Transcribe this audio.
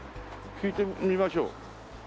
聞いてみましょう。